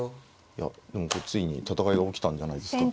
いやでもついに戦いが起きたんじゃないですか。